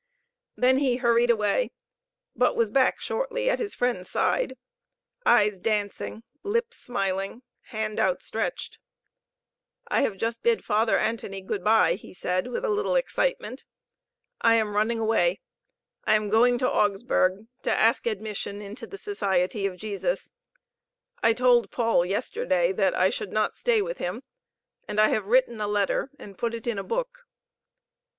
Then he hurried away, but was back shortly at his friend's side, eyes dancing, lips smiling, hand outstretched. "I have just bid Father Antoni good by," he said, with a little excitement. "I am running away. I am going to Augsburg' to ask admission into the Society of Jesus. I told Paul yesterday that I should not stay with him, and I have written a letter and put it in a book.